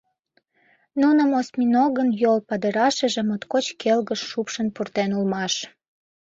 Нуным осьминогын йол падырашыже моткоч келгыш шупшын пуртен улмаш.